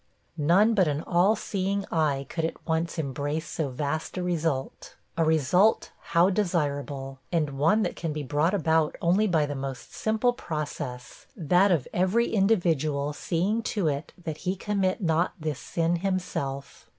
None but an all seeing eye could at once embrace so vast a result. A result, how desirable! and one that can be brought about only by the most simple process that of every individual seeing to it that he commit not this sin himself.